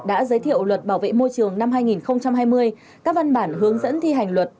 đã giới thiệu luật bảo vệ môi trường năm hai nghìn hai mươi các văn bản hướng dẫn thi hành luật